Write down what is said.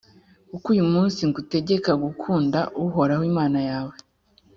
kuko uyu munsi ngutegeka gukunda uhoraho imana yawe,